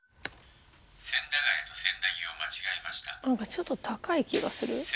何かちょっと高い気がする？